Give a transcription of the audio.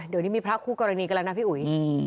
เดี๋ยวนี้มีพระคู่กรณีกันแล้วนะพี่อุ๋ย